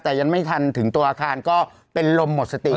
แต่ยังไม่ทันถึงตัวอาคารก็เป็นลมหมดสติ